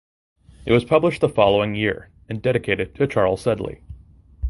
It was published the following year and dedicated to Charles Sedley.